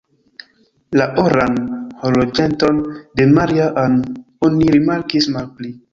La oran horloĝeton de Maria-Ann oni rimarkis malpli.